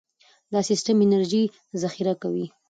دا سیستم انرژي ذخیره کوي.